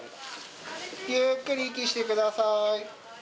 ゆっくり息して下さい。